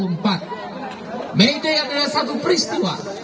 mei ini adalah satu peristiwa